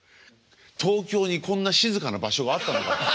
東京にこんな静かな場所があったのか。